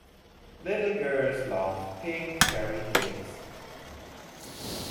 Little girls love pink fairy cakes.